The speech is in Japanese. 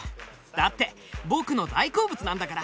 だって僕の大好物なんだから。